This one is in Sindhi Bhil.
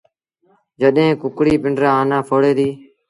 جڏهيݩ ڪڪڙيٚ پنڊرآ آنآ ڦوڙي دي۔